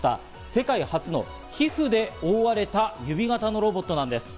世界初の皮膚で覆われた指型のロボットなんです。